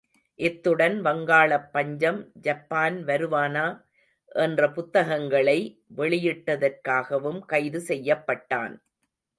இத்துடன் வங்காளப் பஞ்சம் ஜப்பான் வருவானா? என்ற புத்தகங்களை வெளியிட்டதற்காகவும் கைது செய்யப்பட்டேன்.